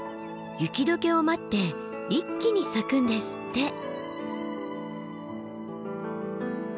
雪解けを待って一気に咲くんですって。